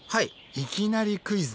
いきなりクイズです。